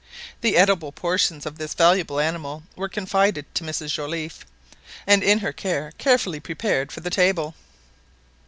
The edible portions of this valuable animal were confided to Mrs Joliffe, and by her carefully prepared for the table.